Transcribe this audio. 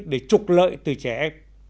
để trục lợi từ trẻ em